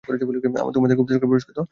আমাদের গুপ্তচরকে পুরষ্কৃত করতে হবে।